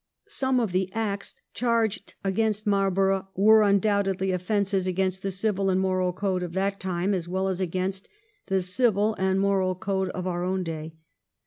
Some of the acts charged against Marlborough were undoubtedly offences against the civil and moral code of that time as well as against the civil and moral code of our own day.